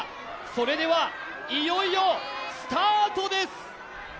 それではいよいよスタートです！